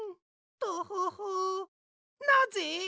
トホホなぜ？